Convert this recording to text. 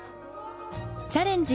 チャレンジ！